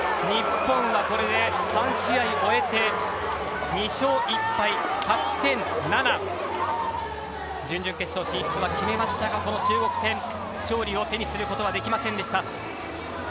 日本はこれで３試合終えて２勝１敗、勝ち点７、準々決勝進出は決めましたが、この中国戦、勝利を手にすることはできませんでした。